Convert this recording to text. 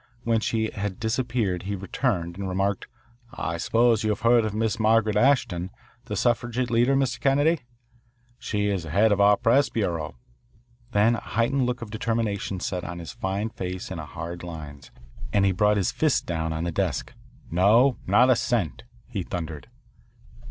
When she had disappeared he returned and remarked, "I suppose you have heard of Miss Margaret Ashton, the suffragette leader, Mr. Kennedy? She is the head of our press bureau." Then a heightened look of determination set his fine face in hard lines, and he brought his fist down on the desk. "No, not a cent," he thundered.